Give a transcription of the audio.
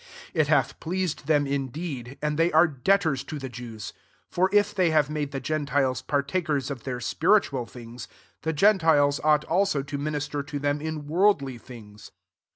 27 It hiA pleased them indeed, and th^ are debtors to the Jev^ : fyr i th^ have made the gemiloi partakers of their spiritud things, the gentiles ought al« to minister to them in worldly things.